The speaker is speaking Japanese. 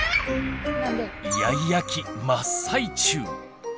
イヤイヤ期真っ最中！